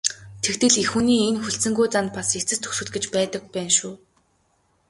Тэгтэл эх хүний энэ хүлцэнгүй занд бас эцэс төгсгөл гэж байдаг байна шүү.